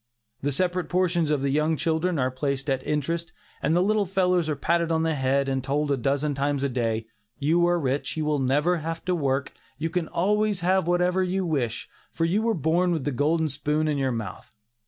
The separate portions of the young children are placed at interest, and the little fellows are patted on the head, and told a dozen times a day, "you are rich; you will never have to work, you can always have whatever you wish, for you were born with a golden spoon in your mouth."